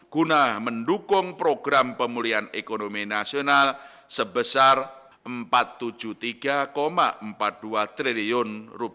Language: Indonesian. guna mendukung program pemulihan ekonomi nasional sebesar rp empat ratus tujuh puluh tiga empat puluh dua triliun